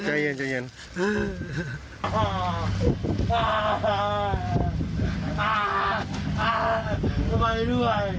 ใจเย็นใจเย็น